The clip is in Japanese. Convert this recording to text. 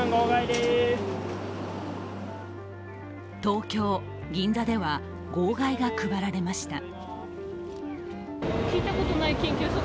東京・銀座では号外が配られました。